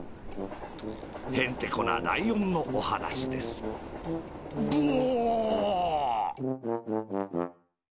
へんてこなライオンのおはなしですブオ！